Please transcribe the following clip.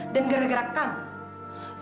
dan gara gara kamu